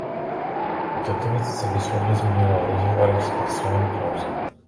O této věci se výslovně zmiňoval v rozhovorech s Václavem Klausem.